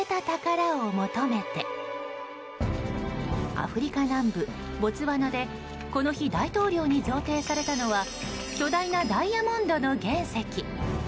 アフリカ南部ボツワナでこの日、大統領に贈呈されたのは巨大なダイヤモンドの原石。